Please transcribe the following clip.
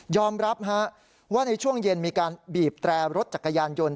รับว่าในช่วงเย็นมีการบีบแตรรถจักรยานยนต์